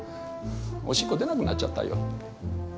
おしっこ出なくなっちゃったよ。